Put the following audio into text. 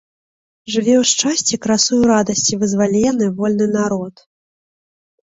Жыві ў шчасці, красуй у радасці, вызвалены, вольны народ!